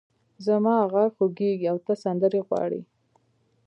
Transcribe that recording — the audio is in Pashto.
زما غږ خوږېږې او ته سندرې غواړې!